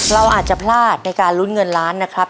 เราอาจจะพลาดในการลุ้นเงินล้านนะครับ